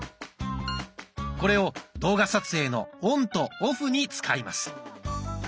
これを動画撮影のオンとオフに使います。